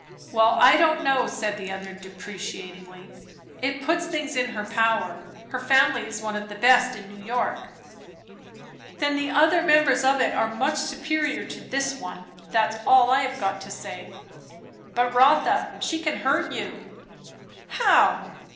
"Well, I don't know," said the other deprecatingly. "It puts things in her power. Her family is one of the best in New York." "Then the other members of it are much superior to this one! that's all I have got to say." "But Rotha, she can hurt you." "How?"